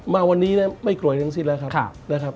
มาวันนี้ไม่กลวยทั้งชิดแล้วครับ